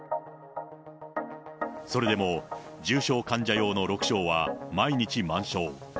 それでも重症患者用の６床は毎日満床。